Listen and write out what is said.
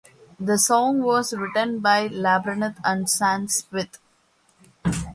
The song was written by Labrinth and Sam Smith.